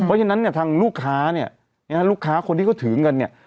เพราะฉะนั้นเนี่ยทางลูกค้าเนี่ยลูกค้าคนที่เขาถือเงินเนี่ย